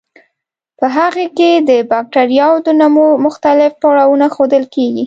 په هغې کې د بکټریاوو د نمو مختلف پړاوونه ښودل کیږي.